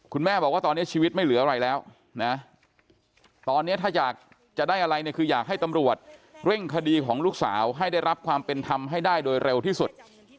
คุณแม่บอกว่าตอนนี้ชีวิตไม่เหลืออะไรแล้วนะตอนนี้ถ้าอยากจะได้อะไรเนี่ยคืออยากให้ตำรวจเร่งคดีของลูกสาวให้ได้รับความเป็นธรรมให้ได้โดยเร็วที่สุด